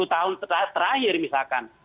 dua puluh tahun terakhir misalkan